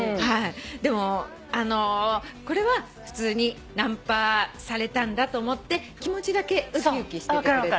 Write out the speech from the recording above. でもこれは普通にナンパされたんだと思って気持ちだけ浮き浮きしててくれたらね。